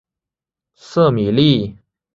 瑟米利。